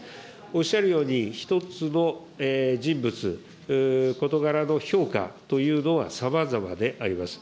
おっしゃるように、一つの人物、事柄の評価というのはさまざまであります。